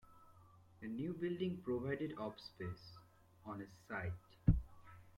The new building provided of space, on a site.